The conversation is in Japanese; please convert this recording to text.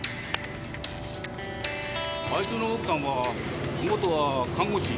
あいつの奥さんは元は看護師。